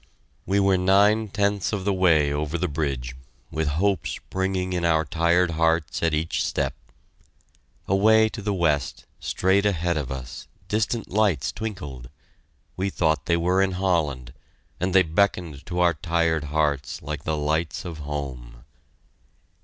We were nine tenths of the way over the bridge, with hope springing in our tired hearts at each step. Away to the west, straight ahead of us, distant lights twinkled. We thought they were in Holland, and they beckoned to our tired hearts like the lights of home.